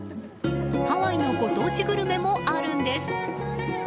ハワイのご当地グルメもあるんです。